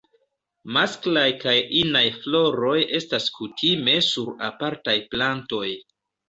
Masklaj kaj inaj floroj estas kutime sur apartaj plantoj.